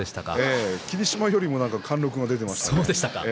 霧島よりも貫禄が出ていましたよ。